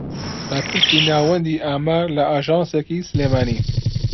بەرپرسی ناوەندی ئامار لە ئاژانسێکی سلێمانی